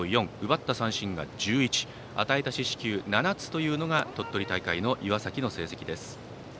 ４奪った三振が１１与えた四死球７つというのが鳥取大会の岩崎の成績です。